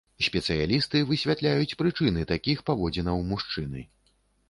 Спецыялісты высвятляюць прычыны такіх паводзінаў мужчыны.